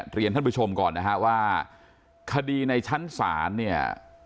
เรียนท่านผู้ชมก่อนนะฮะว่าคดีในชั้นศาลเนี่ย